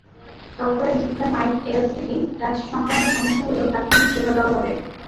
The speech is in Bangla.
Software, speaker, mic, LCD touch সংক্রান্ত সমস্যা হলেও তাৎক্ষণিক সেবা দেওয়া হবে।